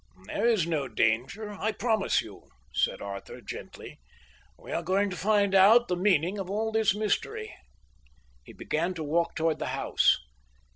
"There is no danger, I promise you," said Arthur gently. "We are going to find out the meaning of all this mystery." He began to walk towards the house.